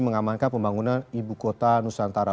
mengamankan pembangunan ibu kota nusantara